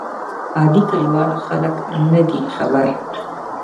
عادي کلیوال خلک نه دي خبر.